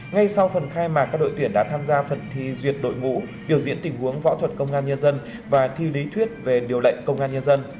ngay sau phần khai mạc các đội tuyển đã tham gia phần thi duyệt đội ngũ biểu diễn tình huống võ thuật công an nhân dân và thi lý thuyết về điều lệnh công an nhân dân